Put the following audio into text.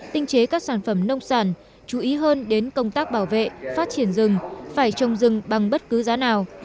tinh chế các sản phẩm nông sản chú ý hơn đến công tác bảo vệ phát triển rừng phải trồng rừng bằng bất cứ giá nào